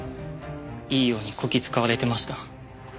いいようにこき使われてました。